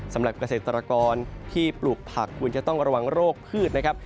สำหรับเกษตรกรที่ปลูกผักควรจะต้องระวังโรคพืชนะครับ